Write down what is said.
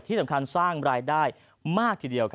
ที่สำคัญสร้างรายได้มากทีเดียว